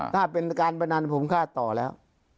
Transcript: ถ้าเป็นการบนานผมต้องต่อการได้แล้ว